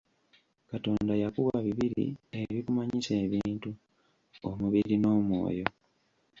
Katonda yakuwa bibiri ebikumanyisa ebintu; omubiri n'omwoyo.